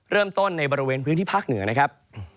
เริ่มต้นในบริเวณพื้นที่ภาคเหนือนะครับ